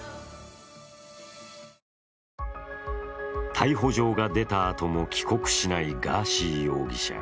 逮捕状が出たあとも帰国しないガーシー容疑者。